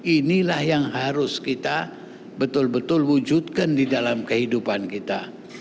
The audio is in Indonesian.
inilah yang harus kita betul betul wujudkan di dalam kehidupan kita